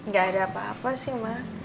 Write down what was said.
gak ada apa apa sih mak